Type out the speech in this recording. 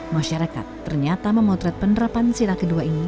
masyarakat ternyata memotret penerapan sila kedua ini